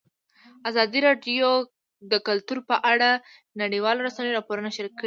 ازادي راډیو د کلتور په اړه د نړیوالو رسنیو راپورونه شریک کړي.